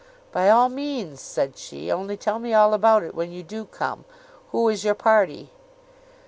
"By all means," said she; "only tell me all about it, when you do come. Who is your party?"